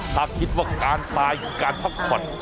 ถ้าคิดว่าการตายหรือการพักผ่อน